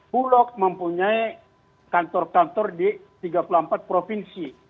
bulog mempunyai kantor kantor di tiga puluh empat provinsi